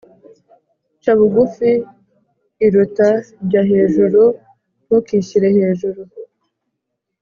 Ca bugufi iruta jya hejuru.(ntukishyire hejuru)